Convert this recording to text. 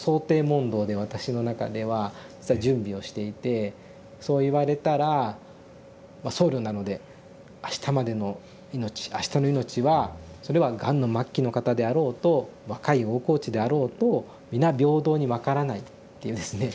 問答で私の中では準備をしていてそう言われたら僧侶なので「あしたまでの命あしたの命はそれはがんの末期の方であろうと若い大河内であろうと皆平等に分からない」っていうですね